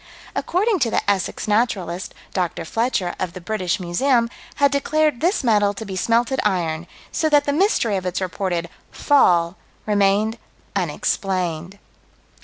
According to the Essex Naturalist, Dr. Fletcher, of the British Museum, had declared this metal to be smelted iron "so that the mystery of its reported 'fall' remained unexplained."